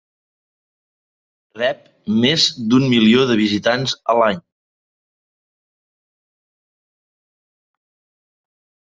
Rep més d'un milió de visitants a l'any.